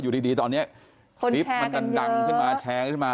อยู่ดีตอนนี้คลิปมันดันดังขึ้นมาแชร์ขึ้นมา